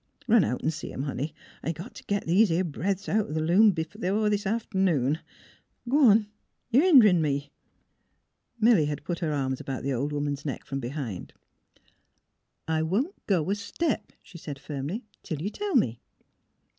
Run out an' see 'em, honey. I got t' git these 'ere breadths out th' loom b' this aft 'noon. G' on; you hender me! " Milly had put her arms about the old woman's neck from behind. '' I won't go a step," she said, firmly, *' till you tell me.